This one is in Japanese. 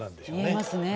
見えますね